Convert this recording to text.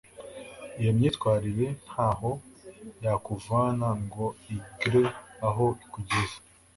iyo myitwarire ntaho yakuvana ngo igre aho ikugeza.